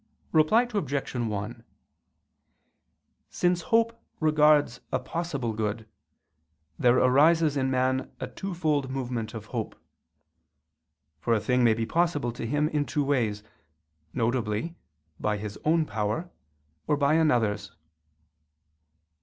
Reply Obj. 1: Since hope regards a possible good, there arises in man a twofold movement of hope; for a thing may be possible to him in two ways, viz. by his own power, or by another's.